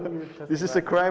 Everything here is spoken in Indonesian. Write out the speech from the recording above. ya ini scene kejahatan